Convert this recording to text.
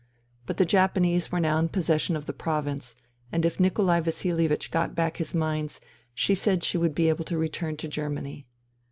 But the Japanese were now in possession of the Province, and if Nikolai Vasilievich got back his mines she said she would be able to return to Germany.